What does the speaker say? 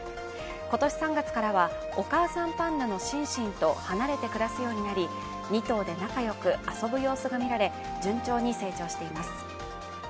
今年３月からはお母さんパンダのシンシンと離れて暮らすようになり２頭で仲良く遊ぶ様子がみられ順調に成長しています。